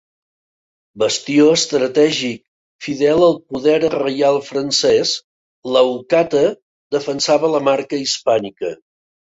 Bastió estratègic, fidel al poder reial francès, Leucata defensava la marca hispànica.